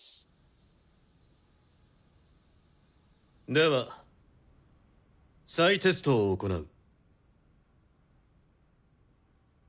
では再テストを行う。